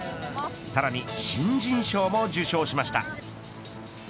さらに新人賞も受賞しました。